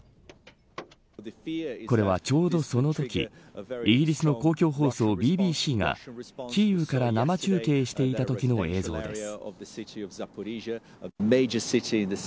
これは、ちょうどそのときイギリスの公共放送ＢＢＣがキーウから生中継していたときの映像です。